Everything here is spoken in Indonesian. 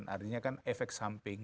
artinya kan efek samping